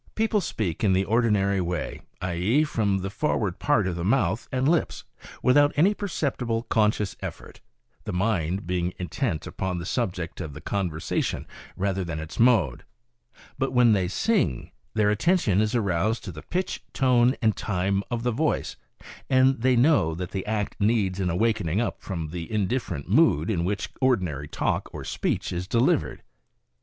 People speak in the ordinary way, i. e., from the forward part of the mouth and lips, without any perceptible conscious effort, the mind being intent upon the subject of the conversation rather than its mode ; but when they sing their attention is aroused to the pitch, tone and time of the voice, and they know that the act needs an awakening up from the indifferent mood in which ordi nary talk or speech is delivered.